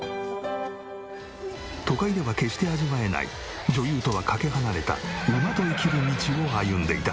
都会では決して味わえない女優とはかけ離れた馬と生きる道を歩んでいた。